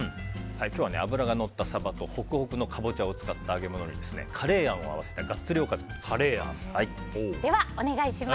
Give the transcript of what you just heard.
今日は脂がのったサバとホクホクのカボチャを使った揚げ物にカレーあんを合わせたガッツリおかずです。